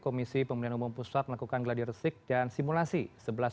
kpu akan menjadwalkan